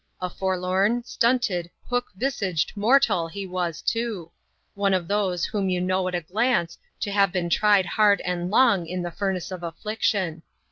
A forlorn, stunted, hook visaged mortal he was too ; one of those, whom you know at a glance to have been tried hard and long in the furnace of affliction.